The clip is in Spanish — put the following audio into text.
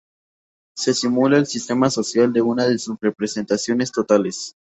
Se simula el sistema social en una de sus representaciones totales.